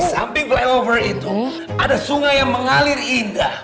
di samping flyover itu ada sungai yang mengalir indah